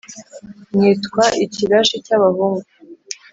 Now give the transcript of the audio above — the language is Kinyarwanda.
nkitwa ikirashi cy'abahungu,